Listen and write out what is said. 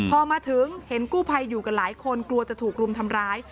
พอมาถึงเห็นกู้ภัยอยู่กันหลายคนกลัวจะถูกรุมทำร้าย